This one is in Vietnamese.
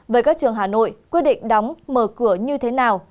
với các trường hà nội quyết định đóng mở cửa như thế nào